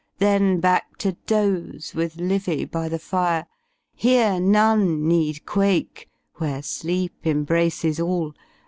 Then back to doze, with Livyy by the fire. Here none need quake, where Sleep embraces all.